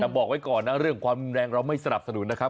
แต่บอกไว้ก่อนนะเรื่องความแรงเราไม่สนับสนุนนะครับ